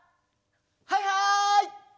はいはい！